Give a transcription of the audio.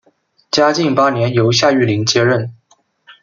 嘉靖八年由夏玉麟接任。